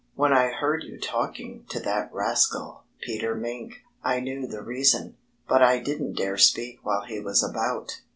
"When I heard you talking to that rascal, Peter Mink, I knew the reason. But I didn't dare speak while he was about."